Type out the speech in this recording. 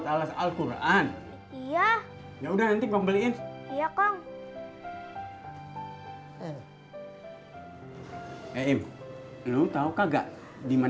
tolong beliin alat lekar dong